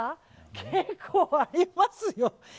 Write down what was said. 結構ありますよ。